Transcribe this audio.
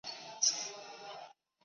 中央接受了。